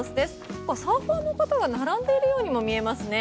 サーファーの方が並んでいるようにも見えますね。